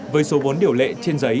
với số vốn điều lệ trên giấy